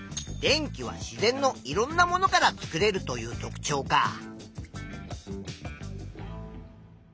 電気は自然のいろんなものから作れるという特ちょうか。